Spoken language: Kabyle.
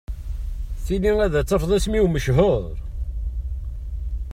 Tili ad tafeḍ isem-iw mechur.